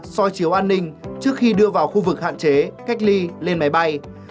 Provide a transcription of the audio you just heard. soi chiếu an ninh trước khi đưa vào khu vực hạn chế cách ly lên máy bay